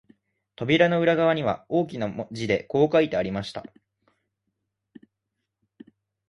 扉の裏側には、大きな字でこう書いてありました